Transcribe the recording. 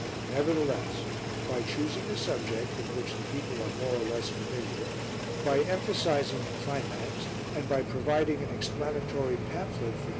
Nevertheless, by choosing a subject with which the people are more or less familiar, by emphasizing the climax and by providing an explanatory pamphlet for 2d.